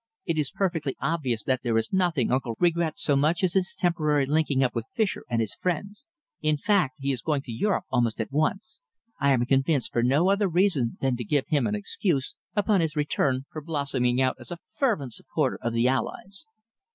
"It is perfectly obvious that there is nothing uncle regrets so much as his temporary linking up with Fischer and his friends; in fact, he is going to Europe almost at once I am convinced for no other reason than to give him an excuse, upon his return, for blossoming out as a fervent supporter of the Allies."